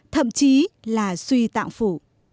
thậm chí là suy tạng phủ